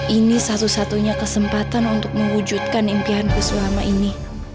ini satu satunya kesempatan untuk mewujudkan impianku selama ini